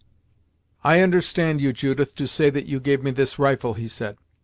"I understand you, Judith, to say that you gave me this rifle," he said.